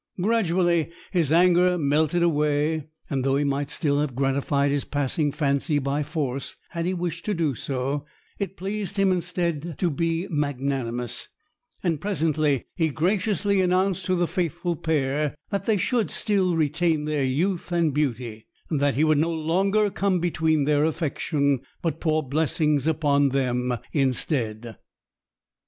Gradually, his anger melted away, and though he might still have gratified his passing fancy by force, had he wished to do so, it pleased him instead to be magnanimous; and presently he graciously announced to the faithful pair that they should still retain their youth and beauty, and that he would no longer come between their affection, but pour blessings upon them instead.